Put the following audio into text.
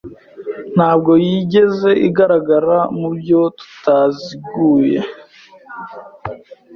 Ntabwo yigeze igaragara mu buryo butaziguye